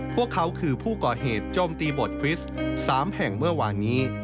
พวกเขาคือผู้ก่อเหตุโจมตีบทฟริสต์๓แห่งเมื่อวานนี้